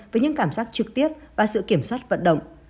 với những cảm giác trực tiếp và sự kiểm soát vận động